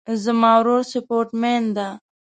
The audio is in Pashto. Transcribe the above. زما ورور سپورټ مین ده